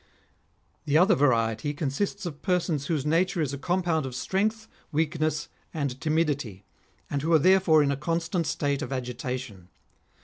The other variety consists of persons whose nature is a compound of strength, weakness, and timidity, and who are therefore in a constant state of agitation.